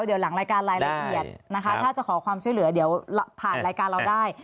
เดี๋ยวหลังรายการรายละเอียดนะคะถ้าจะขอความช่วยเหลือเดี๋ยวผ่านรายการเราได้